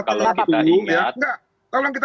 kalau ada diskusi nggak boleh kita